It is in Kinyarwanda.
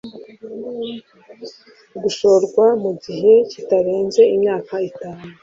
Gushorwa mu gihe kitarenze imyaka itanu